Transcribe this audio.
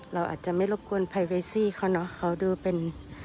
เราอาจจะไม่รบกวนไพเวซี่เขาเนอะเขาดูเป็น